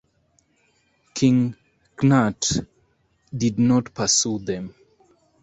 King Cnut did not pursue them.